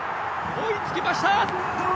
追いつきました！